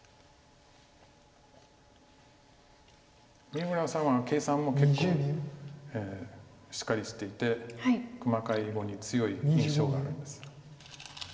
三村さんは計算も結構しっかりしていて細かい碁に強い印象があるんです。